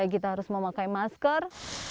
kita harus memakai masker